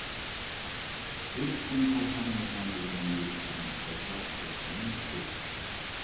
بىر پۈتۈن كارخانا مېخانىزمىنى يۈرۈشتۈرمەك بولسا تېخىمۇ مۈشكۈل.